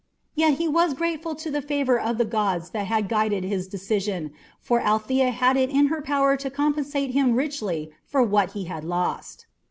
Yet he was grateful to the favour of the gods that had guided his decision, for Althea had it in her power to compensate him richly for what he had lost.